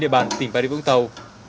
bà địa vũng tàu